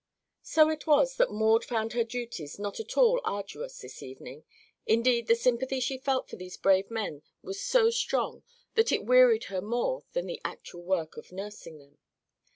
So it was that Maud found her duties not at all arduous this evening. Indeed, the sympathy she felt for these brave men was so strong that it wearied her more than the actual work of nursing them.